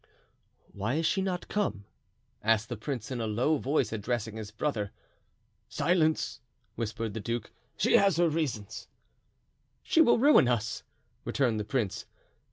"Why is she not come?" asked the prince in a low voice, addressing his brother. "Silence," whispered the duke, "she has her reasons." "She will ruin us!" returned the prince.